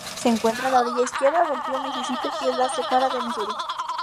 Se encuentra a la orilla izquierda del río Misisipi que la separa de Misuri.